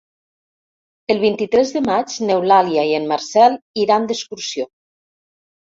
El vint-i-tres de maig n'Eulàlia i en Marcel iran d'excursió.